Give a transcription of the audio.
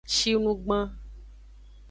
Shinugban.